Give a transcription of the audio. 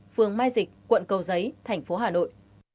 phường mai dịch quận cầu giấy tp hà nội